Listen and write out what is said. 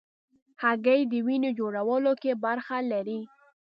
هګۍ د وینې جوړولو کې برخه لري.